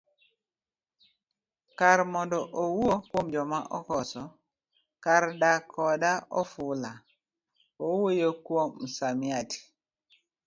Kar mondo owuo kuom joma okoso kar dak koda ofula, owuoyo kuom msamiati.